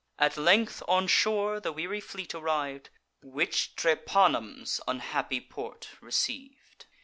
At length on shore the weary fleet arriv'd, Which Drepanum's unhappy port receiv'd.